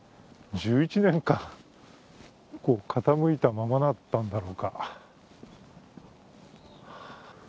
１１年間、傾いたままだったんだろうか。